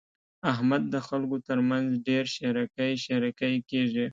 احمد د خلګو تر مخ ډېر شېرکی شېرکی کېږي.